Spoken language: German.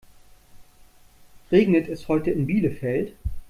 Regnet es heute in Bielefeld?